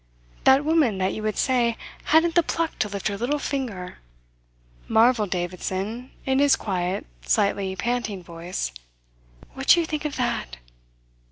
"That woman that you would say hadn't the pluck to lift her little finger!" marvelled Davidson in his quiet, slightly panting voice. "What do you think of that?"